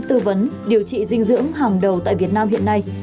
tư vấn điều trị dinh dưỡng hàng đầu tại việt nam hiện nay